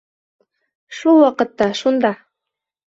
Шул ваҡытта, шунда